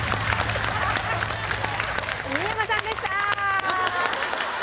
新山さんでした！